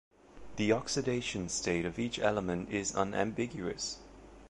The oxidation state of each element is unambiguous.